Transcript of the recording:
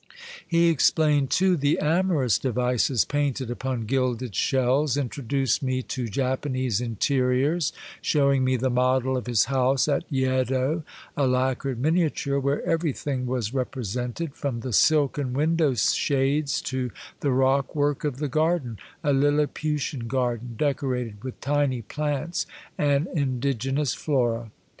He explained, too, the amorous devices painted upon gilded shells, introduced me to Japanese interiors, showing me the model of his house at Yedo, a lacquered miniature where everything 3i8 Monday Tales, was represented, from the silken window shades to the rock work of the garden, a Lilliputian garden, decorated with tiny plants and indigenous flora.